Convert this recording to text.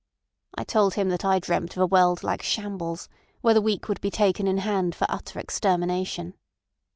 "I told him that I dreamt of a world like shambles, where the weak would be taken in hand for utter extermination."